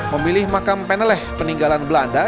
memilih makam peneleh peninggalan belanda